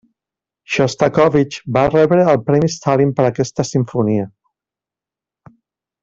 Xostakóvitx va rebre el Premi Stalin per aquesta simfonia.